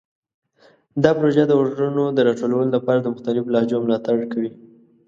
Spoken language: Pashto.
دا پروژه د غږونو د راټولولو لپاره د مختلفو لهجو ملاتړ کوي.